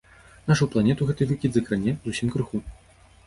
Нашу планету гэты выкід закране зусім крыху.